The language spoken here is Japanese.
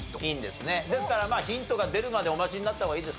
ですからヒントが出るまでお待ちになった方がいいですよ。